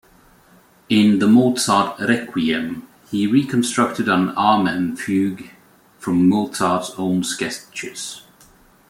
In the Mozart "Requiem", he reconstructed an "Amen" fugue from Mozart's own sketches.